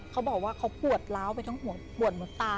เขาบอกว่าเขาปวดล้าวไปทั้งหัวปวดเหมือนตา